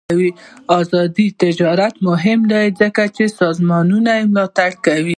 آزاد تجارت مهم دی ځکه چې سازمانونه ملاتړ کوي.